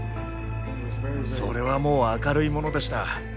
それはもう明るいものでした。